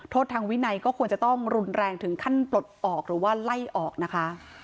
ทางวินัยก็ควรจะต้องรุนแรงถึงขั้นปลดออกหรือว่าไล่ออกนะคะ